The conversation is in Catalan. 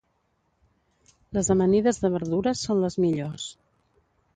Les amanides de verdures són les millors.